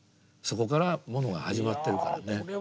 そこからものが始まってるからね。